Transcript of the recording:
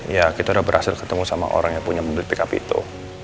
ya kita udah berhasil ketemu sama orang yang punya mobil pkp itu